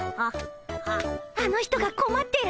あの人がこまってる！